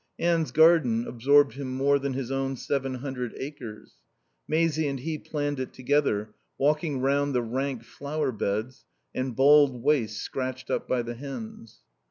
Anne's garden absorbed him more than his own seven hundred acres. Maisie and he planned it together, walking round the rank flower beds, and bald wastes scratched up by the hens.